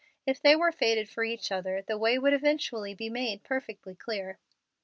If they were fated for each other the way would eventually be made perfectly clear.